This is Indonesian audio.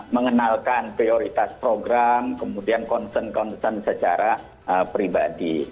mengenalkan prioritas program kemudian concern concern secara pribadi